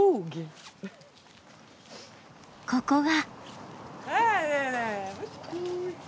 ここが。